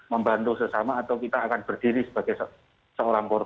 membantu sesama atau kita akan berdiri sebagai seorang korban